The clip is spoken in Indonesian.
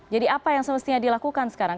jadi apa yang semestinya dilakukan sekarang